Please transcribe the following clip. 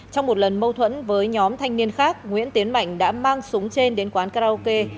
trong một lần mâu thuẫn với nhóm thanh niên khác nguyễn tiến mạnh đã mang súng trên đến quán karaoke